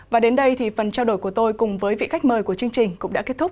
và đến đây thì phần trao đổi của tôi cùng với vị khách mời của chương trình cũng đã kết thúc